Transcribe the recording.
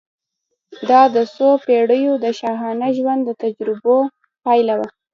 دا د څو پېړیو د شاهانه ژوند د تجربو پایله وه.